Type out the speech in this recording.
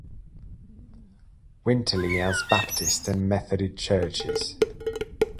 Winterley has Baptist and Methodist Churches.